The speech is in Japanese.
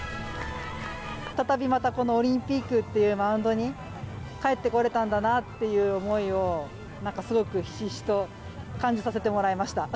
再びまたこのオリンピックというマウンドに帰ってこれたんだなっていう思いを、なんかすごくひしひしと感じさせてもらいました。